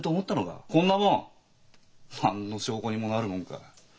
こんなもん何の証拠にもなるもんか。